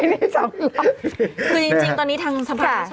โอเคโอเค